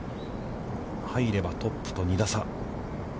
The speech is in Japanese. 入ればトップと２打差。